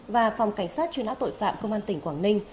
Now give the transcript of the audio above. và phòng cảnh sát chuyên áo tội phạm công an tỉnh quảng ninh